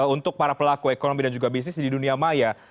untuk para pelaku ekonomi dan juga bisnis di dunia maya